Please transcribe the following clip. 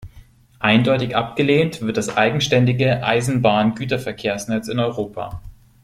Eindeutig abgelehnt wird das eigenständige Eisenbahn-Güterverkehrsnetz in Europa.